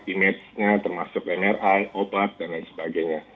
image nya termasuk mri obat dan lain sebagainya